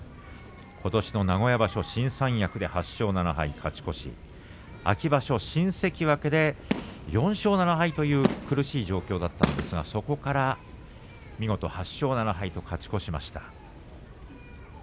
ことしの名古屋場所新三役で勝ち越し秋場所、関脇で４勝７敗という苦しい状況だったんですがそこから見事８勝７敗と勝ち越しました。